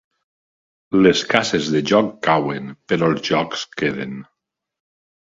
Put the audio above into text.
Les cases de joc cauen, però els jocs queden.